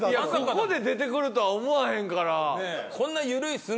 ここで出てくるとは思わへんから。